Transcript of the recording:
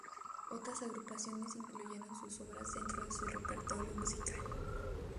Otras agrupaciones incluyeron sus obras dentro de su repertorio musical.